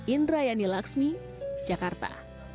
indra yani laksmi jakarta